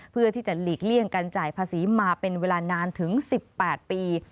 เพื่อที่จะหลีกเลี่ยงการจ่ายภาษีมาเป็นเวลานานถึง๑๘ปี